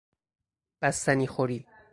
بستنی خوری